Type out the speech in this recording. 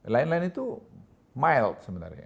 lain lain itu mild sebenarnya